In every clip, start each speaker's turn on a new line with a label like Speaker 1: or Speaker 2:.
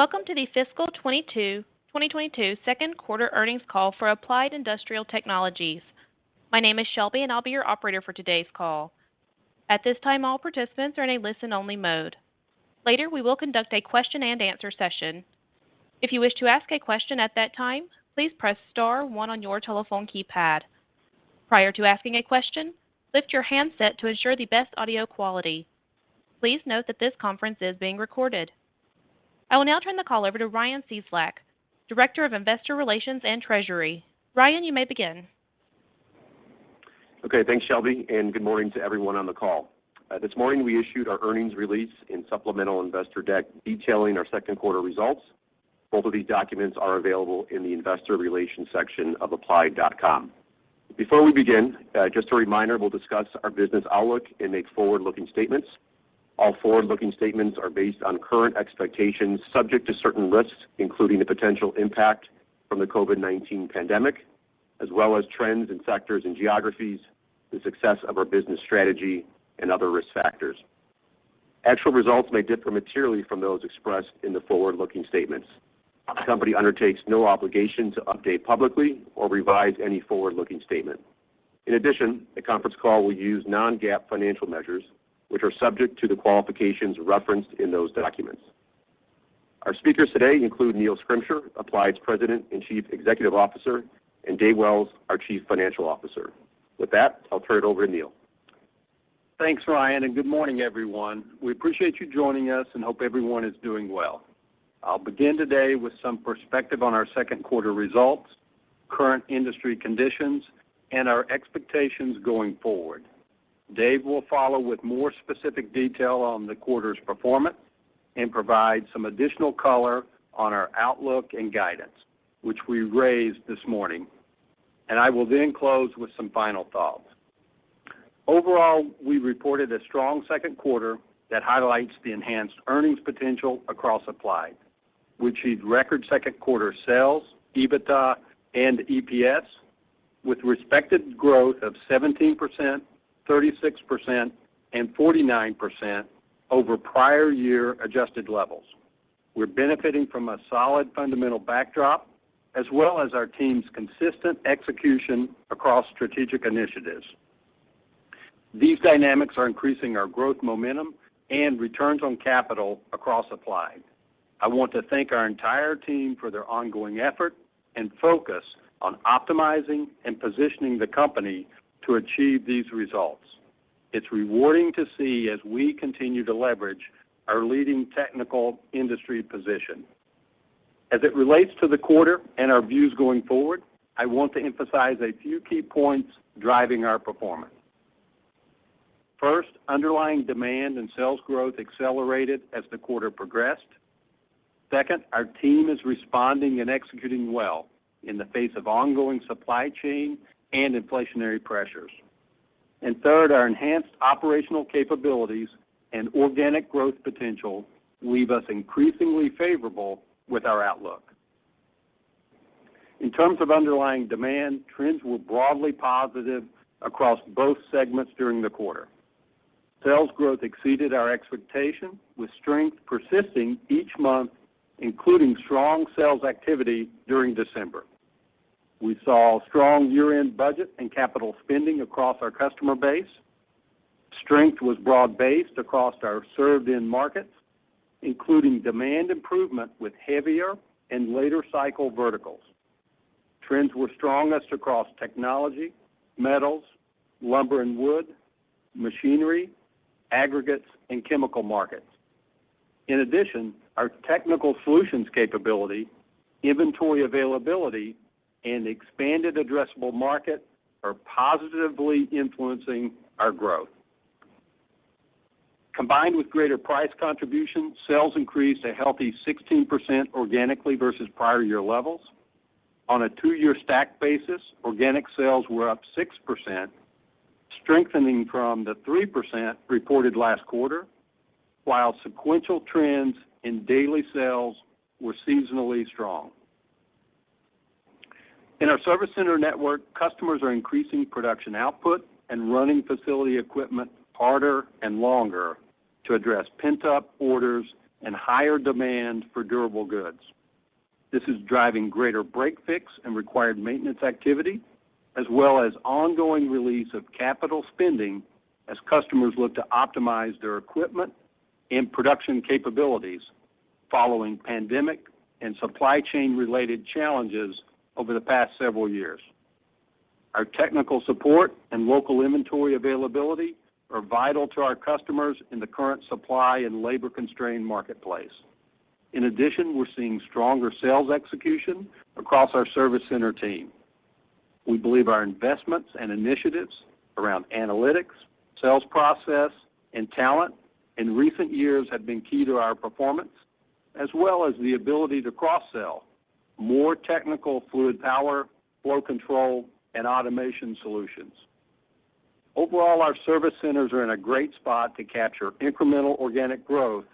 Speaker 1: Welcome to the fiscal 2022 second quarter earnings call for Applied Industrial Technologies. My name is Shelby, and I'll be your operator for today's call. At this time, all participants are in a listen-only mode. Later, we will conduct a question-and-answer session. If you wish to ask a question at that time, please press star one on your telephone keypad. Prior to asking a question, lift your handset to ensure the best audio quality. Please note that this conference is being recorded. I will now turn the call over to Ryan Cieslak, Director of Investor Relations and Treasury. Ryan, you may begin.
Speaker 2: Okay, thanks, Shelby, and good morning to everyone on the call. This morning we issued our earnings release and supplemental investor deck detailing our second quarter results. Both of these documents are available in the investor relations section of applied.com. Before we begin, just a reminder, we'll discuss our business outlook and make forward-looking statements. All forward-looking statements are based on current expectations subject to certain risks, including the potential impact from the COVID-19 pandemic, as well as trends in sectors and geographies, the success of our business strategy and other risk factors. Actual results may differ materially from those expressed in the forward-looking statements. The company undertakes no obligation to update publicly or revise any forward-looking statement. In addition, the conference call will use non-GAAP financial measures, which are subject to the qualifications referenced in those documents. Our speakers today include Neil Schrimsher, Applied's President and Chief Executive Officer, and Dave Wells, our Chief Financial Officer. With that, I'll turn it over to Neil.
Speaker 3: Thanks, Ryan, and good morning, everyone. We appreciate you joining us and hope everyone is doing well. I'll begin today with some perspective on our second quarter results, current industry conditions, and our expectations going forward. Dave will follow with more specific detail on the quarter's performance and provide some additional color on our outlook and guidance, which we raised this morning. I will then close with some final thoughts. Overall, we reported a strong second quarter that highlights the enhanced earnings potential across Applied. We achieved record second quarter sales, EBITDA, and EPS with respective growth of 17%, 36%, and 49% over prior year adjusted levels. We're benefiting from a solid fundamental backdrop as well as our team's consistent execution across strategic initiatives. These dynamics are increasing our growth momentum and returns on capital across Applied. I want to thank our entire team for their ongoing effort and focus on optimizing and positioning the company to achieve these results. It's rewarding to see as we continue to leverage our leading technical industry position. As it relates to the quarter and our views going forward, I want to emphasize a few key points driving our performance. First, underlying demand and sales growth accelerated as the quarter progressed. Second, our team is responding and executing well in the face of ongoing supply chain and inflationary pressures. Third, our enhanced operational capabilities and organic growth potential leave us increasingly favorable with our outlook. In terms of underlying demand, trends were broadly positive across both segments during the quarter. Sales growth exceeded our expectation, with strength persisting each month, including strong sales activity during December. We saw strong year-end budget and capital spending across our customer base. Strength was broad-based across our served end markets, including demand improvement with heavier and later cycle verticals. Trends were strongest across technology, metals, lumber and wood, machinery, aggregates, and chemical markets. In addition, our technical solutions capability, inventory availability, and expanded addressable market are positively influencing our growth. Combined with greater price contribution, sales increased a healthy 16% organically versus prior year levels. On a two-year stack basis, organic sales were up 6%, strengthening from the 3% reported last quarter, while sequential trends in daily sales were seasonally strong. In our service center network, customers are increasing production output and running facility equipment harder and longer to address pent-up orders and higher demand for durable goods. This is driving greater break fix and required maintenance activity, as well as ongoing release of capital spending as customers look to optimize their equipment and production capabilities following pandemic and supply chain related challenges over the past several years. Our technical support and local inventory availability are vital to our customers in the current supply and labor-constrained marketplace. In addition, we're seeing stronger sales execution across our service center team. We believe our investments and initiatives around analytics, sales process, and talent in recent years have been key to our performance, as well as the ability to cross-sell more technical fluid power, flow control, and automation solutions. Overall, our service centers are in a great spot to capture incremental organic growth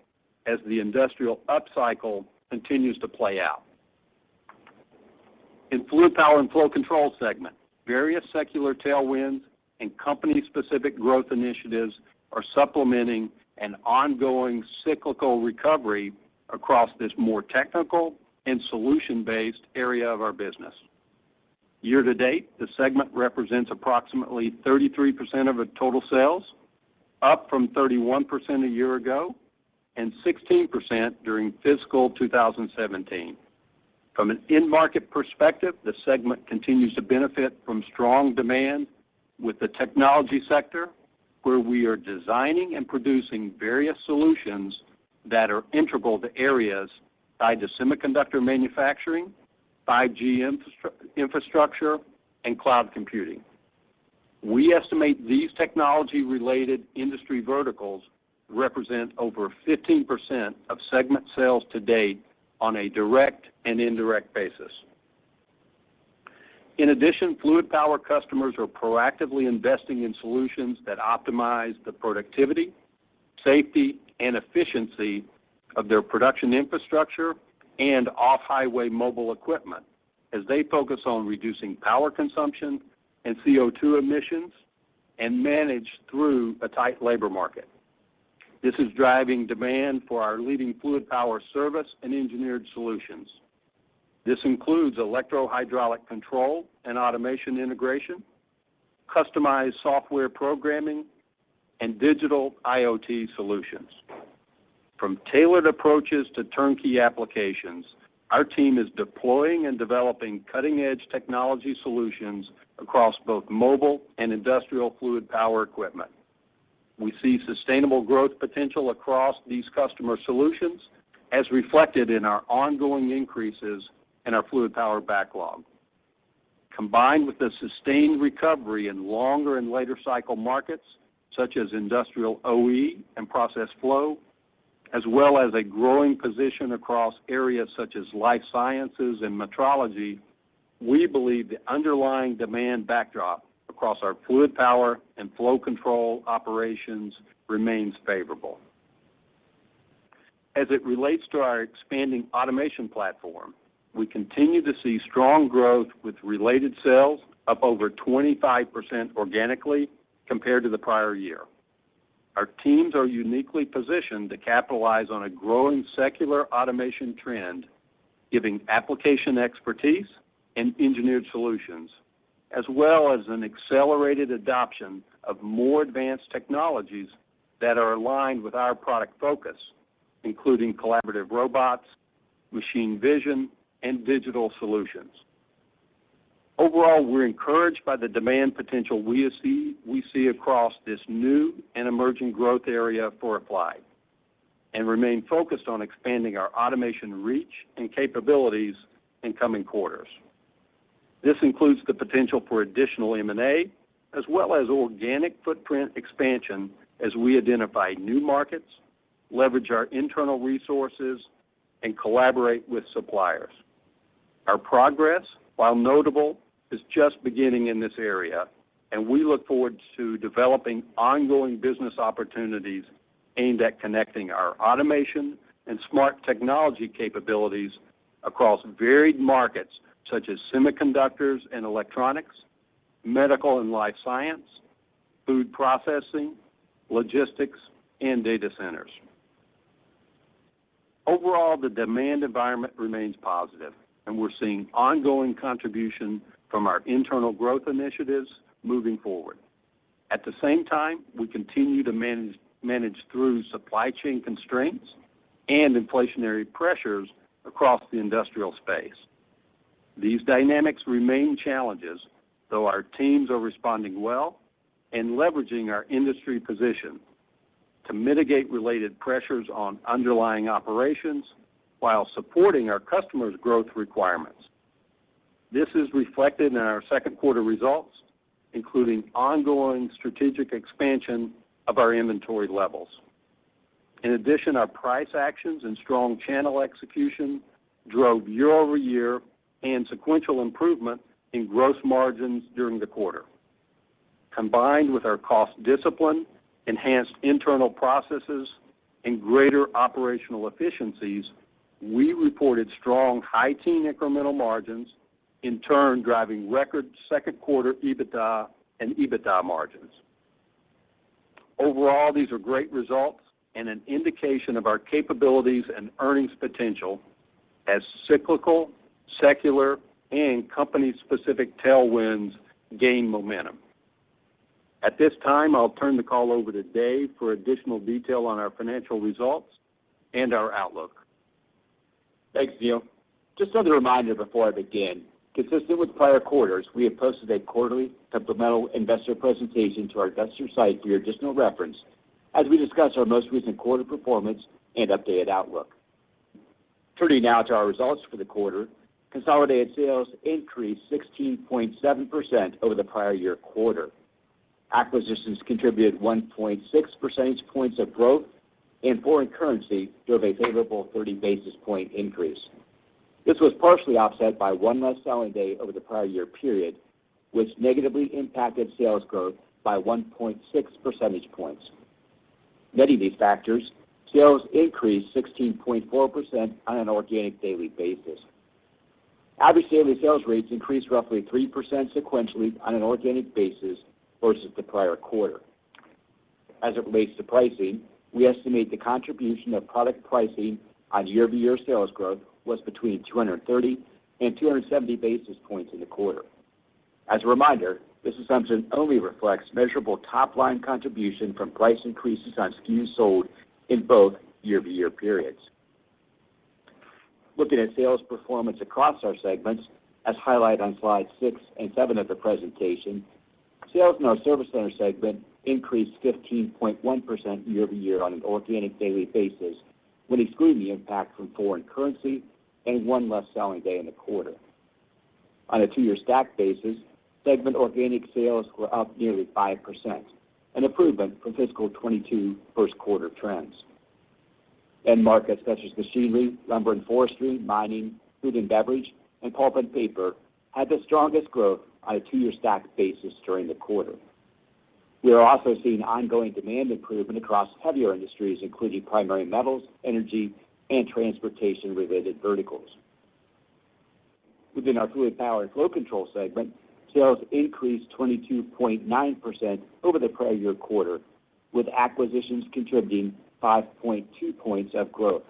Speaker 3: as the industrial upcycle continues to play out. In fluid power and flow control segment, various secular tailwinds and company-specific growth initiatives are supplementing an ongoing cyclical recovery across this more technical and solution-based area of our business. Year to date, the segment represents approximately 33% of total sales, up from 31% a year ago and 16% during fiscal 2017. From an end market perspective, the segment continues to benefit from strong demand within the technology sector, where we are designing and producing various solutions that are integral to areas tied to semiconductor manufacturing, 5G infrastructure, and cloud computing. We estimate these technology-related industry verticals represent over 15% of segment sales to date on a direct and indirect basis. In addition, fluid power customers are proactively investing in solutions that optimize the productivity, safety, and efficiency of their production infrastructure and off-highway mobile equipment as they focus on reducing power consumption and CO2 emissions and manage through a tight labor market. This is driving demand for our leading fluid power service and engineered solutions. This includes electro-hydraulic control and automation integration, customized software programming, and digital IoT solutions. From tailored approaches to turnkey applications, our team is deploying and developing cutting-edge technology solutions across both mobile and industrial fluid power equipment. We see sustainable growth potential across these customer solutions, as reflected in our ongoing increases in our fluid power backlog. Combined with the sustained recovery in longer and later cycle markets, such as industrial OE and process flow, as well as a growing position across areas such as life sciences and metrology, we believe the underlying demand backdrop across our fluid power and flow control operations remains favorable. As it relates to our expanding automation platform, we continue to see strong growth with related sales up over 25% organically compared to the prior year. Our teams are uniquely positioned to capitalize on a growing secular automation trend, giving application expertise and engineered solutions, as well as an accelerated adoption of more advanced technologies that are aligned with our product focus, including collaborative robots, machine vision, and digital solutions. Overall, we're encouraged by the demand potential we see across this new and emerging growth area for Applied and remain focused on expanding our automation reach and capabilities in coming quarters. This includes the potential for additional M&A, as well as organic footprint expansion as we identify new markets, leverage our internal resources, and collaborate with suppliers. Our progress, while notable, is just beginning in this area, and we look forward to developing ongoing business opportunities aimed at connecting our automation and smart technology capabilities across varied markets such as semiconductors and electronics, medical and life science, food processing, logistics, and data centers. Overall, the demand environment remains positive, and we're seeing ongoing contribution from our internal growth initiatives moving forward. At the same time, we continue to manage through supply chain constraints and inflationary pressures across the industrial space. These dynamics remain challenges, though our teams are responding well and leveraging our industry position to mitigate related pressures on underlying operations while supporting our customers' growth requirements. This is reflected in our second quarter results, including ongoing strategic expansion of our inventory levels. In addition, our price actions and strong channel execution drove year-over-year and sequential improvement in gross margins during the quarter. Combined with our cost discipline, enhanced internal processes, and greater operational efficiencies, we reported strong high teen incremental margins, in turn, driving record second quarter EBITDA and EBITDA margins. Overall, these are great results and an indication of our capabilities and earnings potential as cyclical, secular, and company-specific tailwinds gain momentum. At this time, I'll turn the call over to Dave for additional detail on our financial results and our outlook.
Speaker 4: Thanks, Neil. Just as a reminder before I begin, consistent with prior quarters, we have posted a quarterly supplemental investor presentation to our investor site for your additional reference as we discuss our most recent quarter performance and updated outlook. Turning now to our results for the quarter. Consolidated sales increased 16.7% over the prior year quarter. Acquisitions contributed 1.6 percentage points of growth, and foreign currency drove a favorable 30 basis points increase. This was partially offset by one less selling day over the prior year period, which negatively impacted sales growth by 1.6 percentage points. Netting these factors, sales increased 16.4% on an organic daily basis. Average daily sales rates increased roughly 3% sequentially on an organic basis versus the prior quarter. As it relates to pricing, we estimate the contribution of product pricing on year-over-year sales growth was between 230 and 270 basis points in the quarter. As a reminder, this assumption only reflects measurable top line contribution from price increases on SKUs sold in both year-over-year periods. Looking at sales performance across our segments, as highlighted on slide six and seven of the presentation, sales in our service center segment increased 15.1% year-over-year on an organic daily basis when excluding the impact from foreign currency and one less selling day in the quarter. On a two-year stack basis, segment organic sales were up nearly 5%, an improvement from fiscal 2022 first quarter trends. End markets such as machinery, lumber and forestry, mining, food and beverage, and pulp and paper had the strongest growth on a two-year stack basis during the quarter. We are also seeing ongoing demand improvement across heavier industries, including primary metals, energy and transportation-related verticals. Within our fluid power and flow control segment, sales increased 22.9% over the prior year quarter, with acquisitions contributing 5.2 points of growth.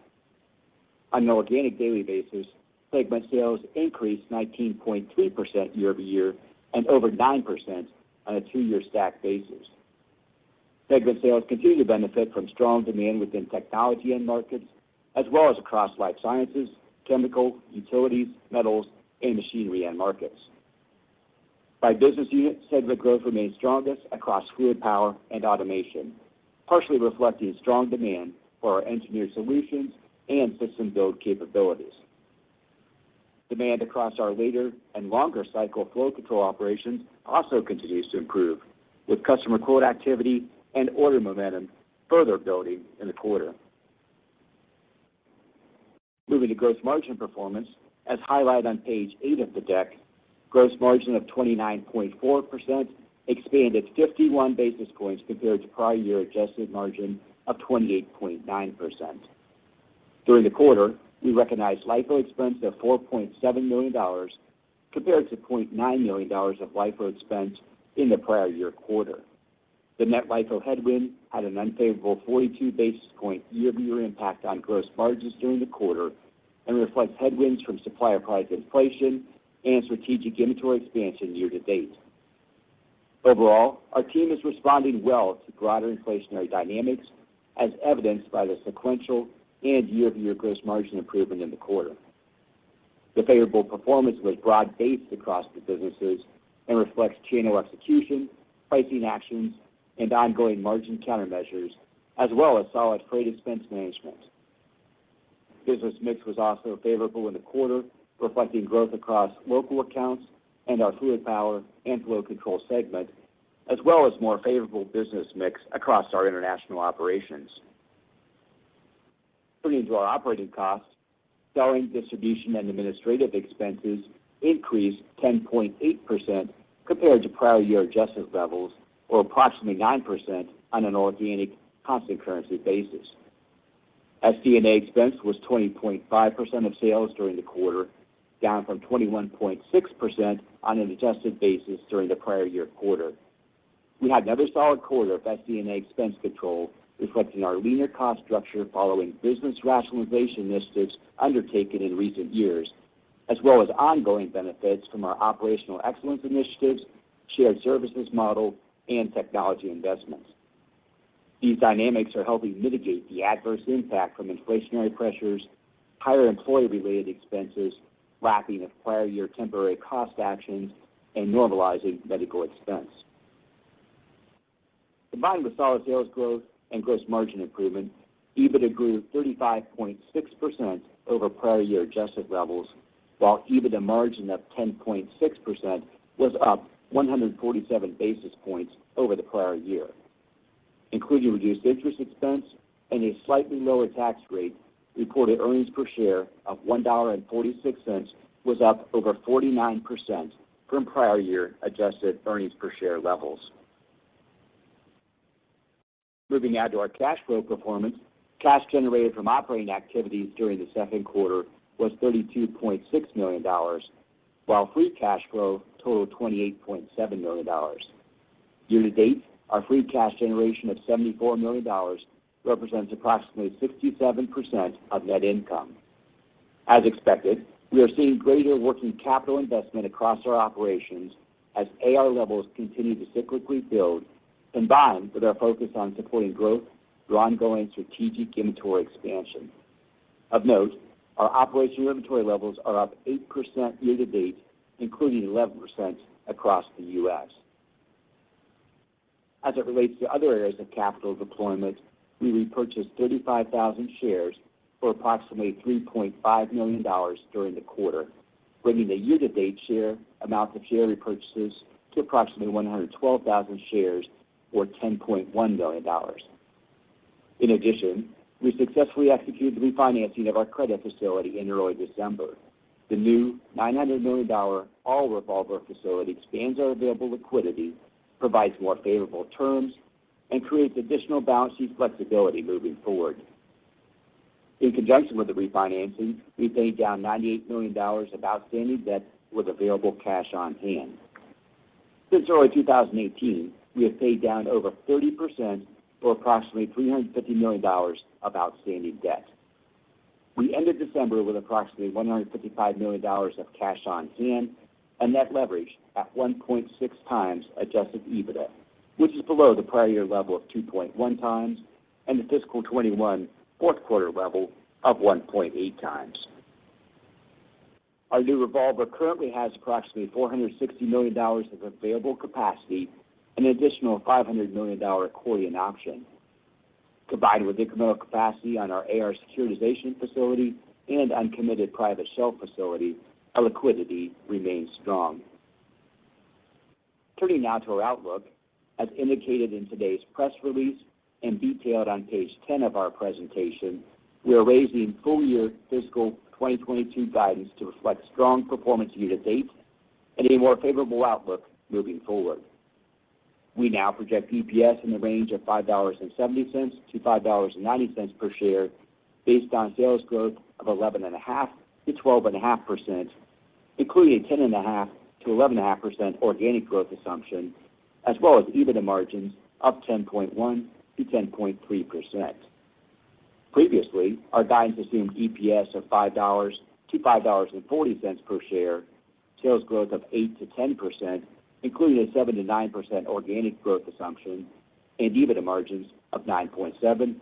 Speaker 4: On an organic daily basis, segment sales increased 19.3% year-over-year and over 9% on a two-year stack basis. Segment sales continue to benefit from strong demand within technology end markets as well as across life sciences, chemical, utilities, metals, and machinery end markets. By business unit, segment growth remains strongest across fluid power and automation, partially reflecting strong demand for our engineered solutions and system build capabilities. Demand across our later and longer cycle flow control operations also continues to improve, with customer quote activity and order momentum further building in the quarter. Moving to gross margin performance, as highlighted on page eight of the deck, gross margin of 29.4% expanded 51 basis points compared to prior year adjusted margin of 28.9%. During the quarter, we recognized LIFO expense of $4.7 million compared to $0.9 million of LIFO expense in the prior year quarter. The net LIFO headwind had an unfavorable 42 basis point year-over-year impact on gross margins during the quarter and reflects headwinds from supplier price inflation and strategic inventory expansion year to date. Overall, our team is responding well to broader inflationary dynamics as evidenced by the sequential and year-over-year gross margin improvement in the quarter. The favorable performance was broad-based across the businesses and reflects channel execution, pricing actions, and ongoing margin countermeasures, as well as solid freight expense management. Business mix was also favorable in the quarter, reflecting growth across local accounts and our fluid power and flow control segment, as well as more favorable business mix across our international operations. Turning to our operating costs, selling, distribution, and administrative expenses increased 10.8% compared to prior year adjusted levels, or approximately 9% on an organic constant currency basis. SD&A expense was 20.5% of sales during the quarter, down from 21.6% on an adjusted basis during the prior year quarter. We had another solid quarter of SD&A expense control reflecting our leaner cost structure following business rationalization initiatives undertaken in recent years, as well as ongoing benefits from our operational excellence initiatives, shared services model, and technology investments. These dynamics are helping mitigate the adverse impact from inflationary pressures, higher employee-related expenses, lapping of prior year temporary cost actions, and normalizing medical expense. Combined with solid sales growth and gross margin improvement, EBITDA grew 35.6% over prior year adjusted levels, while EBITDA margin of 10.6% was up 147 basis points over the prior year. Including reduced interest expense and a slightly lower tax rate, reported earnings per share of $1.46 was up over 49% from prior year adjusted earnings per share levels. Moving now to our cash flow performance. Cash generated from operating activities during the second quarter was $32.6 million, while free cash flow totaled $28.7 million. Year to date, our free cash generation of $74 million represents approximately 67% of net income. As expected, we are seeing greater working capital investment across our operations as AR levels continue to cyclically build combined with our focus on supporting growth through ongoing strategic inventory expansion. Of note, our operating inventory levels are up 8% year to date, including 11% across the U.S. As it relates to other areas of capital deployment, we repurchased 35,000 shares for approximately $3.5 million during the quarter, bringing the year-to-date share amount of share repurchases to approximately 112,000 shares or $10.1 million. In addition, we successfully executed the refinancing of our credit facility in early December. The new $900 million all revolver facility expands our available liquidity, provides more favorable terms, and creates additional balance sheet flexibility moving forward. In conjunction with the refinancing, we paid down $98 million of outstanding debt with available cash on hand. Since early 2018, we have paid down over 30% or approximately $350 million of outstanding debt. We ended December with approximately $155 million of cash on hand and net leverage at 1.6x adjusted EBITDA, which is below the prior year level of 2.1x and the fiscal 2021 fourth quarter level of 1.8x. Our new revolver currently has approximately $460 million of available capacity and an additional $500 million accordion option. Combined with incremental capacity on our AR securitization facility and uncommitted private shelf facility, our liquidity remains strong. Turning now to our outlook. As indicated in today's press release and detailed on page 10 of our presentation, we are raising full year fiscal 2022 guidance to reflect strong performance year to date and a more favorable outlook moving forward. We now project EPS in the range of $5.70-$5.90 per share based on sales growth of 11.5%-12.5%, including a 10.5%-11.5% organic growth assumption as well as EBITDA margins up 10.1%-10.3%. Previously, our guidance assumed EPS of $5-$5.40 per share, sales growth of 8%-10%, including a 7%-9% organic growth assumption and EBITDA margins of 9.7%-9.9%.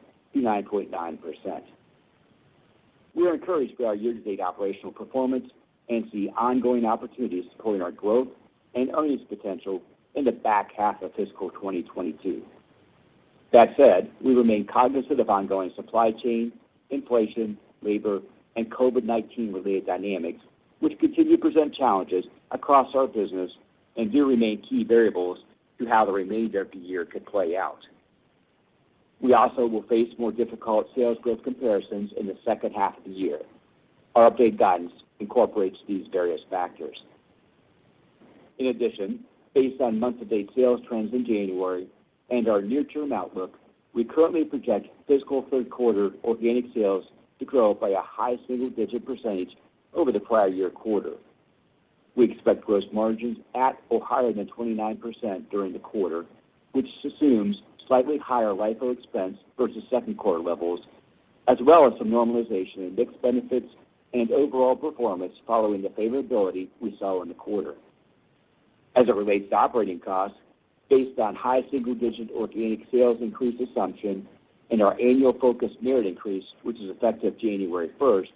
Speaker 4: We are encouraged by our year-to-date operational performance and see ongoing opportunities supporting our growth and earnings potential in the back half of fiscal 2022. That said, we remain cognizant of ongoing supply chain, inflation, labor, and COVID-19 related dynamics, which continue to present challenges across our business and do remain key variables to how the remainder of the year could play out. We also will face more difficult sales growth comparisons in the second half of the year. Our updated guidance incorporates these various factors. In addition, based on month-to-date sales trends in January and our near-term outlook, we currently project fiscal third quarter organic sales to grow by a high single-digit percentage over the prior year quarter. We expect gross margins at or higher than 29% during the quarter, which assumes slightly higher LIFO expense versus second quarter levels, as well as some normalization in mix benefits and overall performance following the favorability we saw in the quarter. As it relates to operating costs, based on high single-digit organic sales increase assumption and our annual focus merit increase, which is effective January 1st,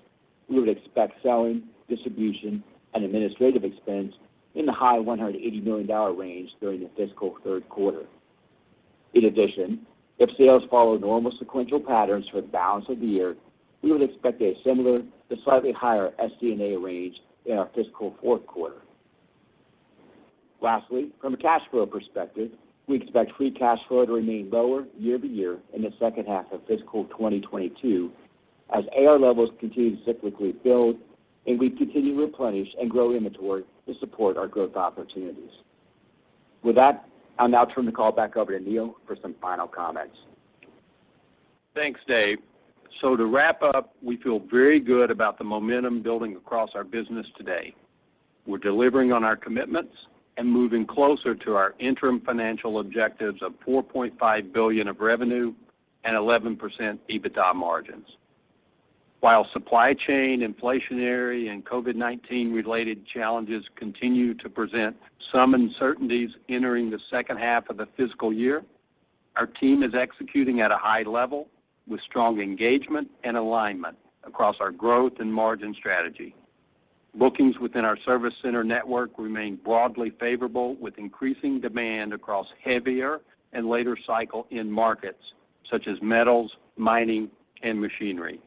Speaker 4: we would expect selling, distribution, and administrative expense in the high $180 million range during the fiscal third quarter. In addition, if sales follow normal sequential patterns for the balance of the year, we would expect a similar to slightly higher SD&A range in our fiscal fourth quarter. Lastly, from a cash flow perspective, we expect free cash flow to remain lower year-over-year in the second half of fiscal 2022 as AR levels continue to cyclically build and we continue to replenish and grow inventory to support our growth opportunities. With that, I'll now turn the call back over to Neil for some final comments.
Speaker 3: Thanks, Dave. To wrap up, we feel very good about the momentum building across our business today. We're delivering on our commitments and moving closer to our interim financial objectives of $4.5 billion of revenue and 11% EBITDA margins. While supply chain, inflationary, and COVID-19 related challenges continue to present some uncertainties entering the second half of the fiscal year, our team is executing at a high level with strong engagement and alignment across our growth and margin strategy. Bookings within our service center network remain broadly favorable, with increasing demand across heavier and later cycle end markets such as metals, mining, and machinery.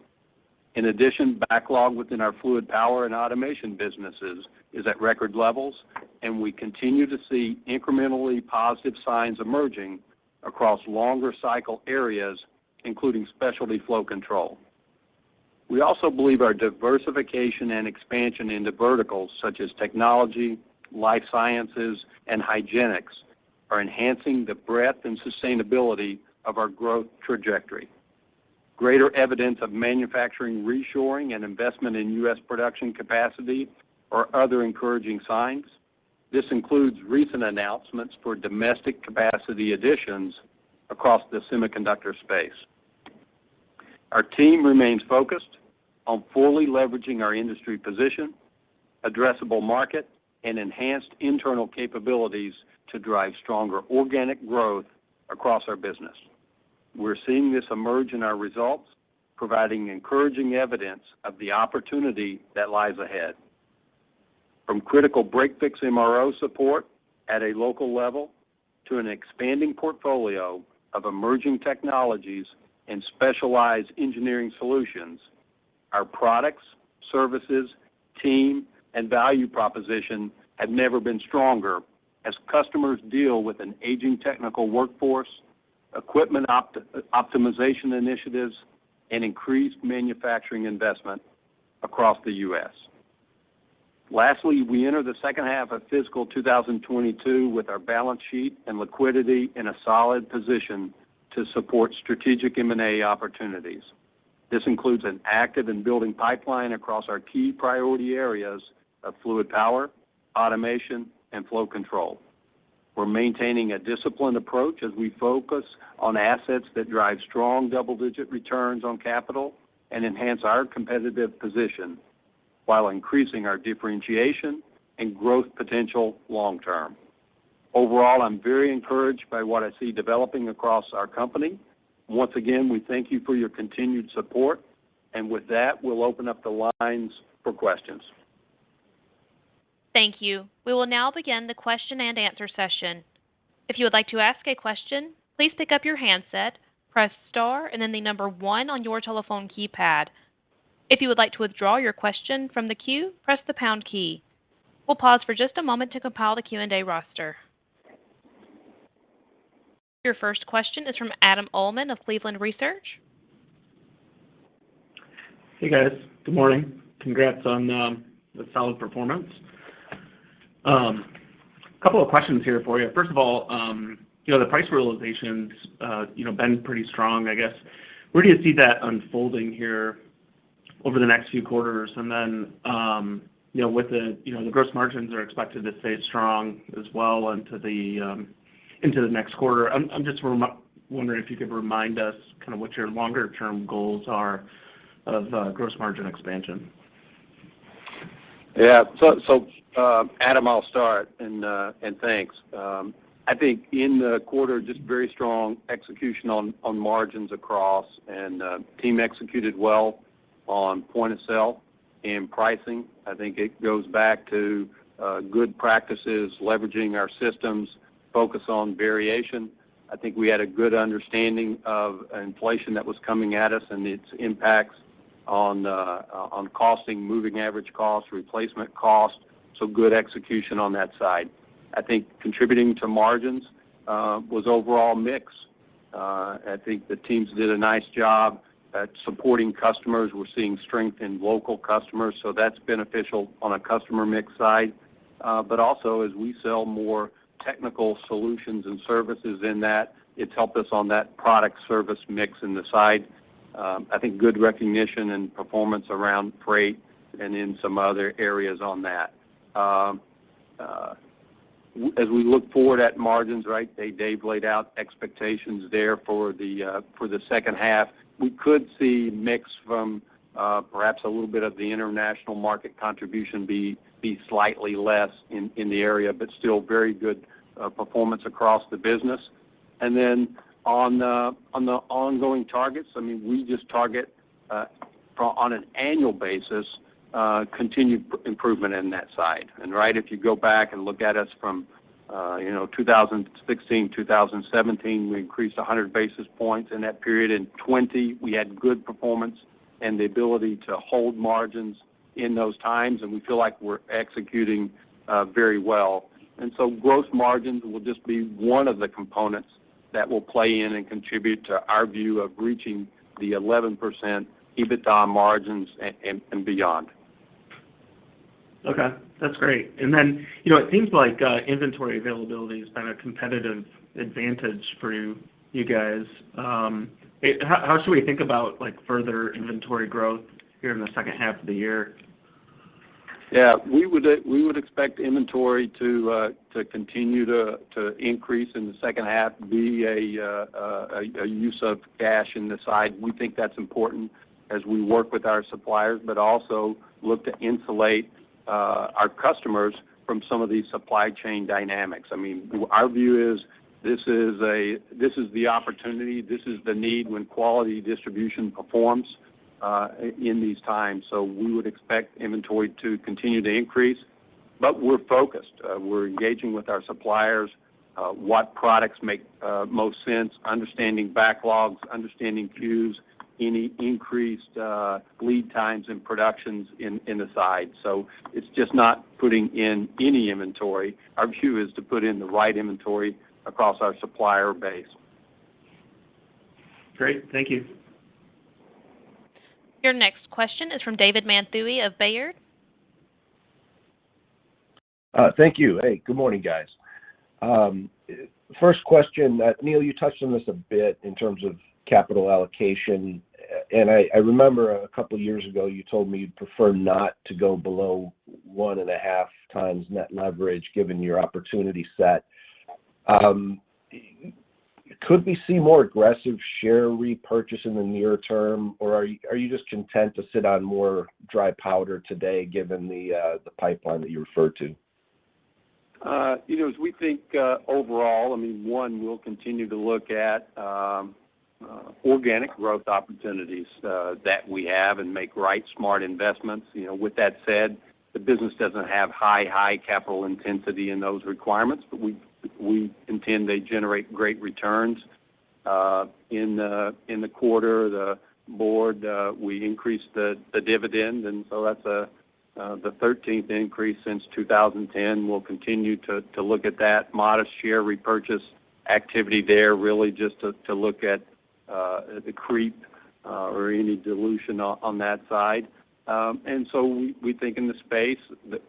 Speaker 3: In addition, backlog within our fluid power and automation businesses is at record levels, and we continue to see incrementally positive signs emerging across longer cycle areas, including specialty flow control. We also believe our diversification and expansion into verticals such as technology, life sciences, and hygienics are enhancing the breadth and sustainability of our growth trajectory. Greater evidence of manufacturing reshoring and investment in U.S. production capacity are other encouraging signs. This includes recent announcements for domestic capacity additions across the semiconductor space. Our team remains focused on fully leveraging our industry position, addressable market, and enhanced internal capabilities to drive stronger organic growth across our business. We're seeing this emerge in our results, providing encouraging evidence of the opportunity that lies ahead. From critical break-fix MRO support at a local level to an expanding portfolio of emerging technologies and specialized engineering solutions, our products, services, team, and value proposition have never been stronger as customers deal with an aging technical workforce, equipment optimization initiatives, and increased manufacturing investment across the U.S. Lastly, we enter the second half of fiscal 2022 with our balance sheet and liquidity in a solid position to support strategic M&A opportunities. This includes an active and building pipeline across our key priority areas of fluid power, automation, and flow control. We're maintaining a disciplined approach as we focus on assets that drive strong double-digit returns on capital and enhance our competitive position while increasing our differentiation and growth potential long term. Overall, I'm very encouraged by what I see developing across our company. Once again, we thank you for your continued support. With that, we'll open up the lines for questions.
Speaker 1: Thank you. We will now begin the question-and-answer session. If you would like to ask a question, please pick up your handset, press star, and then the number one on your telephone keypad. If you would like to withdraw your question from the queue, press the pound key. We'll pause for just a moment to compile the Q&A roster. Your first question is from Adam Uhlman of Cleveland Research.
Speaker 5: Hey, guys. Good morning. Congrats on the solid performance. Couple of questions here for you. First of all, you know, the price realizations, you know, been pretty strong, I guess. Where do you see that unfolding here over the next few quarters? Then, you know, with the, you know, the gross margins are expected to stay strong as well into the next quarter. I'm just wondering if you could remind us kind of what your longer term goals are of gross margin expansion.
Speaker 3: Adam, I'll start, and thanks. I think in the quarter, just very strong execution on margins across, and team executed well on point of sale and pricing. I think it goes back to good practices, leveraging our systems, focus on variation. I think we had a good understanding of inflation that was coming at us and its impacts on costing, moving average cost, replacement cost, so good execution on that side. I think contributing to margins was overall mix. I think the teams did a nice job at supporting customers. We're seeing strength in local customers, so that's beneficial on a customer mix side. But also, as we sell more technical solutions and services in that, it's helped us on that product service mix on the side. I think good recognition and performance around freight and in some other areas on that. As we look forward at margins, right, Dave laid out expectations there for the second half. We could see mix from perhaps a little bit of the international market contribution be slightly less in the area, but still very good performance across the business. Then on the ongoing targets, I mean, we just target on an annual basis continued improvement in that side. Right, if you go back and look at us from, you know, 2016, 2017, we increased 100 basis points in that period. In 2020, we had good performance and the ability to hold margins in those times, and we feel like we're executing very well. Gross margins will just be one of the components that will play in and contribute to our view of reaching the 11% EBITDA margins and beyond.
Speaker 5: Okay, that's great. You know, it seems like inventory availability has been a competitive advantage for you guys. How should we think about, like, further inventory growth here in the second half of the year?
Speaker 3: Yeah. We would expect inventory to continue to increase in the second half, be a use of cash in the cycle. We think that's important as we work with our suppliers, but also look to insulate our customers from some of these supply chain dynamics. I mean, our view is this is the opportunity, this is the need when quality distribution performs in these times. We would expect inventory to continue to increase, but we're focused. We're engaging with our suppliers what products make most sense, understanding backlogs, understanding queues, any increased lead times and productions in the cycle. It's just not putting in any inventory. Our view is to put in the right inventory across our supplier base.
Speaker 5: Great. Thank you.
Speaker 1: Your next question is from David Manthey of Baird.
Speaker 6: Thank you. Hey, good morning, guys. First question. Neil, you touched on this a bit in terms of capital allocation, and I remember a couple years ago you told me you'd prefer not to go below 1.5x net leverage given your opportunity set. Could we see more aggressive share repurchase in the near term, or are you just content to sit on more dry powder today given the pipeline that you referred to?
Speaker 3: You know, as we think overall, I mean, one, we'll continue to look at organic growth opportunities that we have and make right smart investments. You know, with that said, the business doesn't have high capital intensity in those requirements, but we intend to generate great returns. In the quarter, the board increased the dividend, and that's the 13th increase since 2010. We'll continue to look at that modest share repurchase activity there, really just to look at the creep or any dilution on that side. We think in the space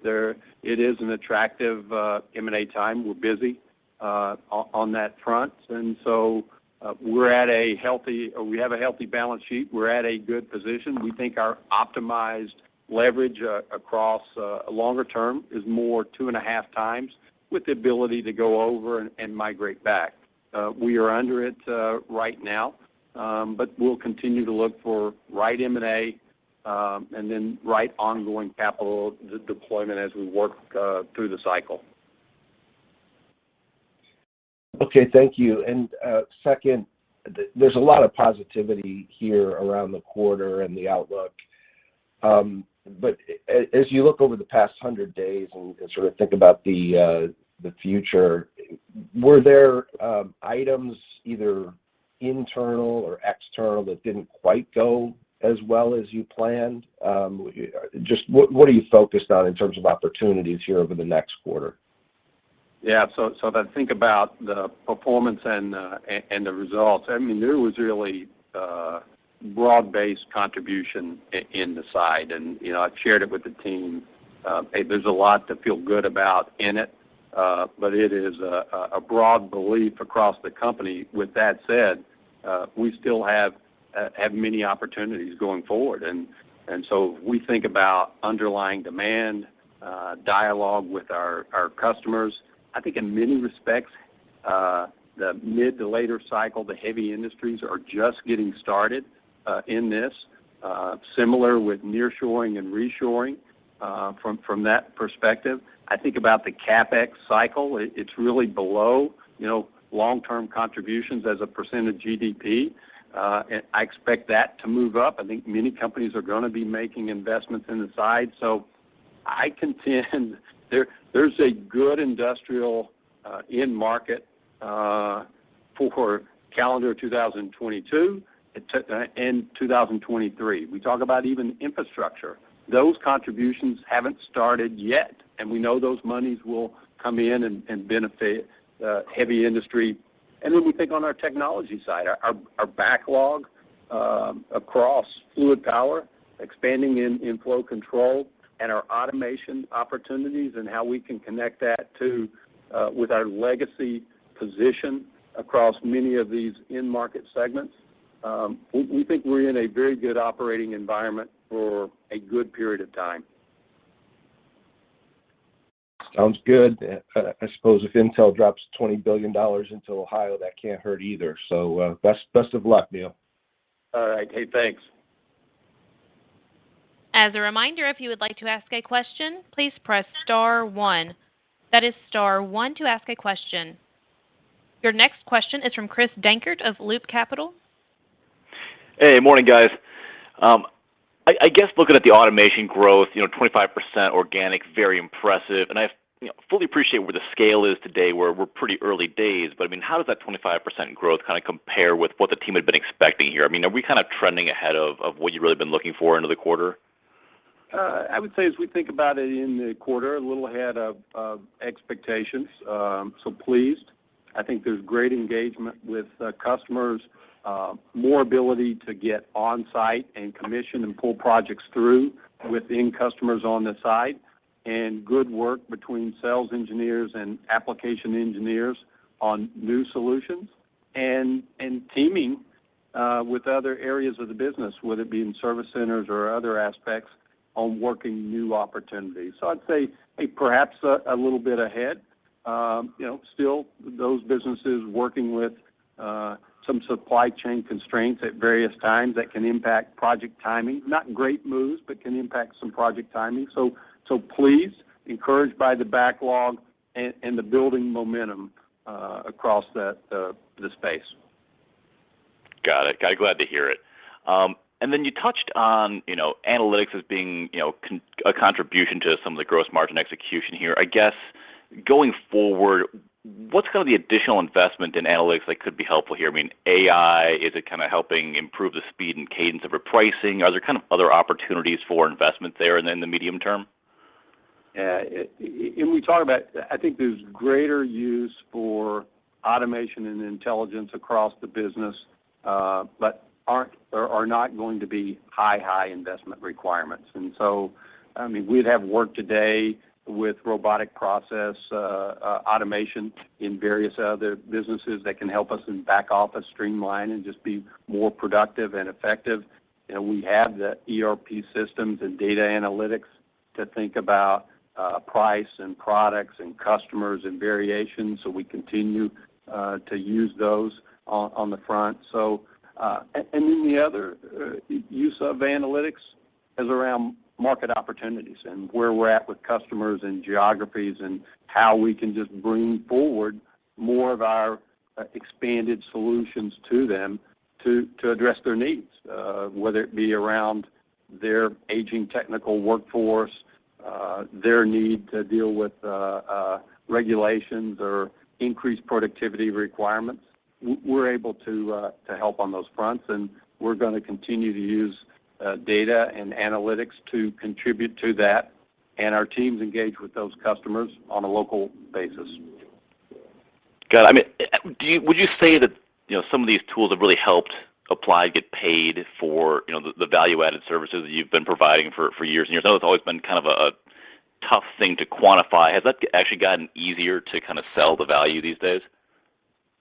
Speaker 3: there it is an attractive M&A time. We're busy on that front. We have a healthy balance sheet. We're at a good position. We think our optimized leverage across a longer term is more 2.5x with the ability to go over and migrate back. We are under it right now, but we'll continue to look for right M&A and then right ongoing capital deployment as we work through the cycle.
Speaker 6: Okay. Thank you. Second, there's a lot of positivity here around the quarter and the outlook. As you look over the past 100 days and sort of think about the future, were there items either internal or external that didn't quite go as well as you planned? Just what are you focused on in terms of opportunities here over the next quarter?
Speaker 3: To think about the performance and the results, I mean, there was really broad-based contribution in the side. You know, I've shared it with the team. There's a lot to feel good about in it, but it is a broad belief across the company. With that said, we still have many opportunities going forward. We think about underlying demand, dialogue with our customers. I think in many respects, the mid- to late-cycle, the heavy industries are just getting started in this, similarly with nearshoring and reshoring from that perspective. I think about the CapEx cycle. It's really below long-term contributions as a percent of GDP. I expect that to move up. I think many companies are gonna be making investments in the side. I contend there's a good industrial end market for calendar 2022 and 2023. We talk about even infrastructure. Those contributions haven't started yet, and we know those monies will come in and benefit heavy industry. We think on our technology side, our backlog across fluid power, expanding in flow control and our automation opportunities and how we can connect that with our legacy position across many of these end market segments. We think we're in a very good operating environment for a good period of time.
Speaker 6: Sounds good. I suppose if Intel drops $20 billion into Ohio, that can't hurt either. Best of luck, Neil.
Speaker 3: All right. Hey, thanks.
Speaker 1: As a reminder, if you would like to ask a question, please press star one. That is star one to ask a question. Your next question is from Chris Dankert of Loop Capital.
Speaker 7: Hey, morning, guys. I guess looking at the automation growth, you know, 25% organic, very impressive, and I, you know, fully appreciate where the scale is today. We're pretty early days, but I mean, how does that 25% growth kind of compare with what the team had been expecting here? I mean, are we kind of trending ahead of what you've really been looking for into the quarter?
Speaker 3: I would say as we think about it in the quarter, a little ahead of expectations, so pleased. I think there's great engagement with customers, more ability to get on-site and commission and pull projects through within customers on-site, and good work between sales engineers and application engineers on new solutions and teaming with other areas of the business, whether it be in service centers or other aspects on working new opportunities. I'd say perhaps a little bit ahead. You know, still those businesses working with some supply chain constraints at various times that can impact project timing. Not great, but can impact some project timing. Pleased, encouraged by the backlog and the building momentum across the space.
Speaker 7: Got it. Glad to hear it. You touched on, you know, analytics as being, you know, a contribution to some of the gross margin execution here. I guess going forward, what's kind of the additional investment in analytics that could be helpful here? I mean, AI, is it kind of helping improve the speed and cadence of repricing? Are there kind of other opportunities for investment there and in the medium term?
Speaker 3: We talk about, I think, there's greater use for automation and intelligence across the business, but are not going to be high investment requirements. I mean, we have work today with robotic process automation in various other businesses that can help us in back office streamline and just be more productive and effective. You know, we have the ERP systems and data analytics to think about price and products and customers and variations, so we continue to use those on the front. The other use of analytics is around market opportunities and where we're at with customers and geographies and how we can just bring forward more of our expanded solutions to them to address their needs, whether it be around their aging technical workforce, their need to deal with regulations or increased productivity requirements. We're able to help on those fronts, and we're gonna continue to use data and analytics to contribute to that, and our teams engage with those customers on a local basis.
Speaker 7: Got it. I mean, would you say that, you know, some of these tools have really helped Applied get paid for, you know, the value-added services that you've been providing for years and years? I know that's always been kind of a tough thing to quantify. Has that actually gotten easier to kinda sell the value these days?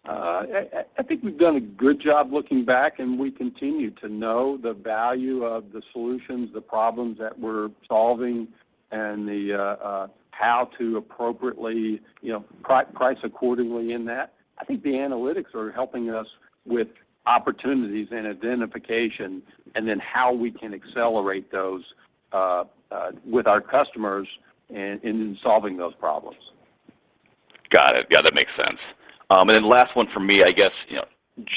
Speaker 3: I think we've done a good job looking back, and we continue to know the value of the solutions, the problems that we're solving, and how to appropriately, you know, price accordingly in that. I think the analytics are helping us with opportunities and identification and then how we can accelerate those with our customers in solving those problems.
Speaker 7: Got it. Yeah, that makes sense. Last one from me, I guess, you know,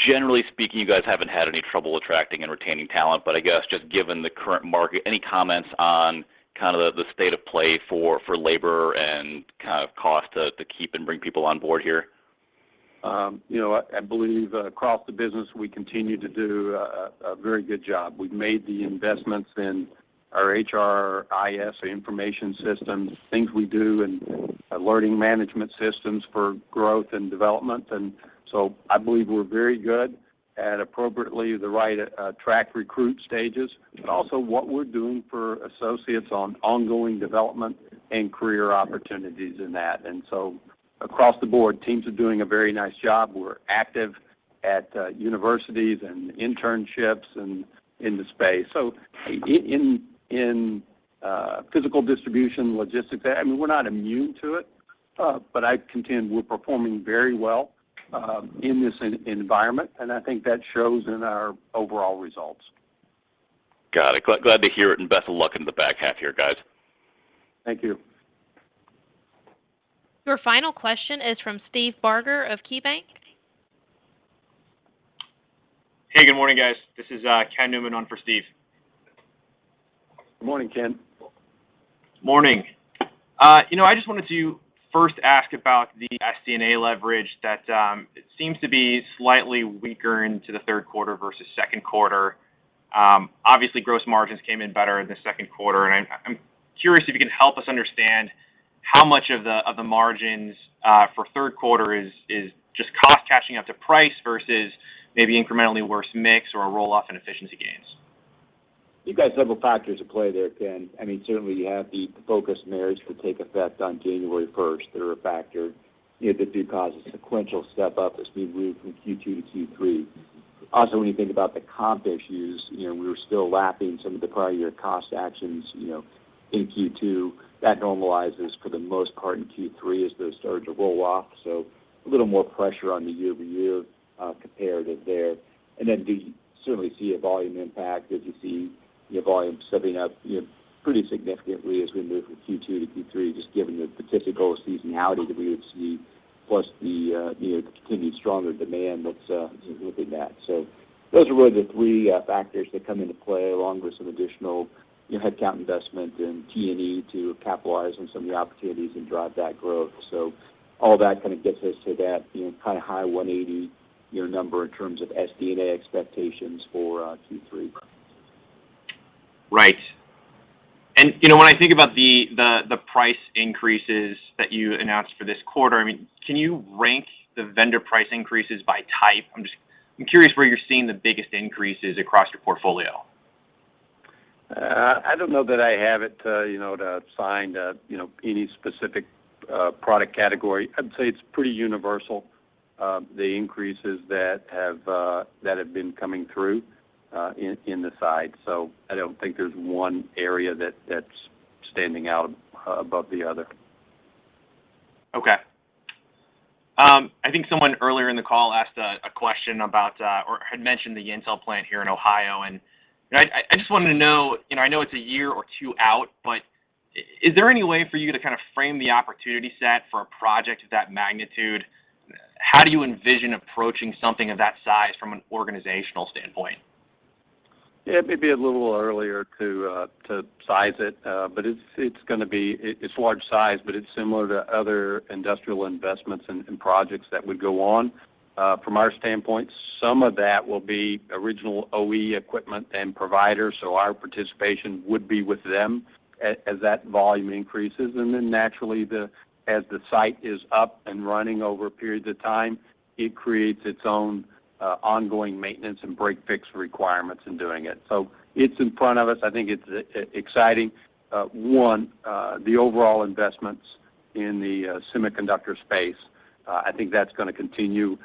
Speaker 7: generally speaking, you guys haven't had any trouble attracting and retaining talent, but I guess just given the current market, any comments on kind of the state of play for labor and kind of cost to keep and bring people on board here?
Speaker 3: You know, I believe across the business, we continue to do a very good job. We've made the investments in our HRIS, information systems, things we do, and learning management systems for growth and development. I believe we're very good at appropriately the right track recruit stages, but also what we're doing for associates on ongoing development and career opportunities in that. Across the board, teams are doing a very nice job. We're active at universities and internships and in the space. In physical distribution logistics, I mean, we're not immune to it, but I contend we're performing very well in this environment, and I think that shows in our overall results.
Speaker 7: Got it. Glad to hear it and best of luck in the back half here, guys.
Speaker 3: Thank you.
Speaker 1: Your final question is from Steve Barger of KeyBanc.
Speaker 8: Hey, good morning, guys. This is Ken Newman on for Steve.
Speaker 3: Good morning, Ken.
Speaker 8: Morning. You know, I just wanted to first ask about the SD&A leverage that it seems to be slightly weaker into the third quarter versus second quarter. Obviously, gross margins came in better in the second quarter. I'm curious if you can help us understand how much of the margins for third quarter is just cost catching up to price versus maybe incrementally worse mix or a roll-off in efficiency gains.
Speaker 4: You guys have a factor to play there, Ken. I mean, certainly you have the focus merit increase to take effect on January 1st. That's a factor, you know, that does cause a sequential step up as we move from Q2 to Q3. Also, when you think about the comp issues, you know, we were still lapping some of the prior year cost actions, you know, in Q2. That normalizes for the most part in Q3 as those start to roll off. A little more pressure on the year-over-year comparative there. We certainly see a volume impact as you see, you know, volume stepping up, you know, pretty significantly as we move from Q2 to Q3, just given the statistical seasonality that we would see, plus the, you know, continued stronger demand that's within that. Those are really the three factors that come into play, along with some additional headcount investment and T&E to capitalize on some of the opportunities and drive that growth. All that kind of gets us to that kind of high 180 year number in terms of SD&A expectations for Q3.
Speaker 8: Right. You know, when I think about the price increases that you announced for this quarter, I mean, can you rank the vendor price increases by type? I'm just curious where you're seeing the biggest increases across your portfolio.
Speaker 3: I don't know that I have it, you know, to assign, you know, any specific product category. I'd say it's pretty universal, the increases that have been coming through in this side. I don't think there's one area that's standing out above the other.
Speaker 8: Okay. I think someone earlier in the call asked a question about or had mentioned the Intel plant here in Ohio. You know, I just wanted to know, you know, I know it's a year or two out, but is there any way for you to kind of frame the opportunity set for a project of that magnitude? How do you envision approaching something of that size from an organizational standpoint?
Speaker 3: Yeah, it may be a little early to size it, but it's gonna be large size, but it's similar to other industrial investments and projects that would go on. From our standpoint, some of that will be original OE equipment and providers, so our participation would be with them as that volume increases. Then naturally, as the site is up and running over periods of time, it creates its own ongoing maintenance and break fix requirements in doing it. It's in front of us. I think it's exciting. One, the overall investments in the semiconductor space, I think that's gonna continue,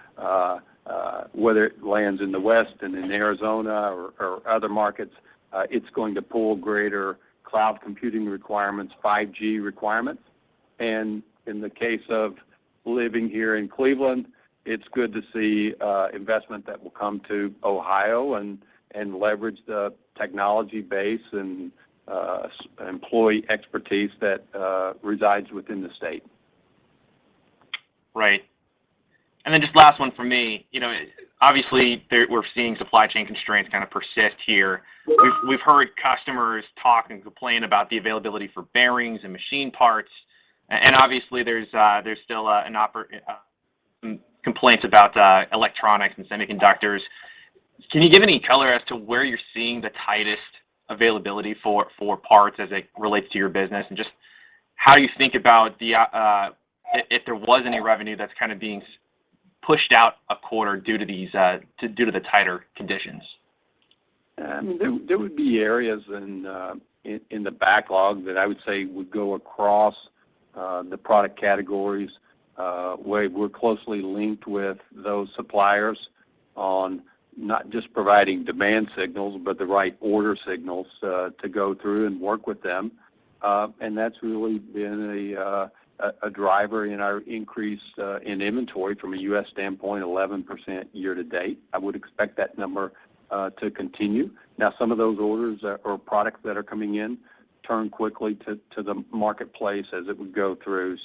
Speaker 3: whether it lands in the West and in Arizona or other markets, it's going to pull greater cloud computing requirements, 5G requirements. In the case of living here in Cleveland, it's good to see investment that will come to Ohio and leverage the technology base and employee expertise that resides within the state.
Speaker 8: Right. Then just last one for me. You know, obviously we're seeing supply chain constraints kind of persist here. We've heard customers talk and complain about the availability for bearings and machine parts. And obviously there's still complaints about electronics and semiconductors. Can you give any color as to where you're seeing the tightest availability for parts as it relates to your business? And just how you think about the if there was any revenue that's kind of being pushed out a quarter due to these tighter conditions?
Speaker 3: I mean, there would be areas in the backlog that I would say would go across the product categories, where we're closely linked with those suppliers on not just providing demand signals, but the right order signals, to go through and work with them. That's really been a driver in our increase in inventory from a U.S. standpoint, 11% year to date. I would expect that number to continue. Now, some of those orders or products that are coming in turn quickly to the marketplace as it would go through.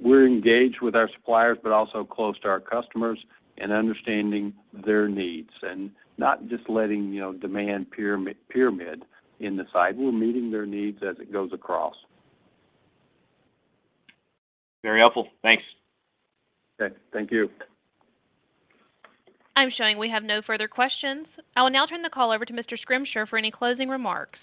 Speaker 3: We're engaged with our suppliers, but also close to our customers and understanding their needs and not just letting, you know, demand pyramid in the side. We're meeting their needs as it goes across.
Speaker 8: Very helpful. Thanks.
Speaker 3: Okay. Thank you.
Speaker 1: I'm showing we have no further questions. I will now turn the call over to Mr. Schrimsher for any closing remarks.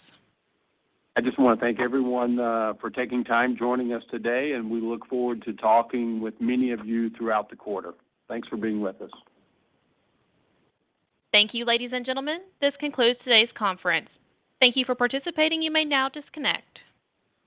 Speaker 3: I just wanna thank everyone for taking time joining us today, and we look forward to talking with many of you throughout the quarter. Thanks for being with us.
Speaker 1: Thank you, ladies and gentlemen. This concludes today's conference. Thank you for participating. You may now disconnect.